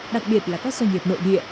đặc biệt là các doanh nghiệp nội địa